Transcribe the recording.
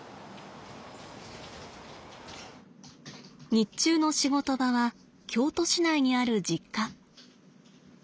日中の仕事場は京都市内にある実家。